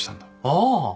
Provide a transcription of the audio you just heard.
ああ。